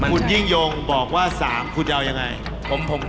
คุณยิ่งยงบอกว่า๓คุณจะเอายังไง